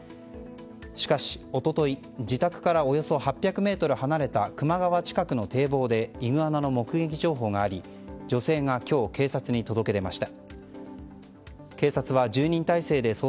しかし、一昨日自宅からおよそ８００ｍ離れた球磨川近くの堤防でイグアナの目撃情報があり女性が今日、警察に届け出ました。